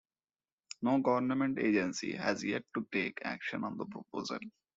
No government agency has yet to take action on the proposal.